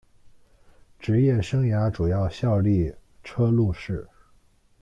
职业生涯主要效力车路士。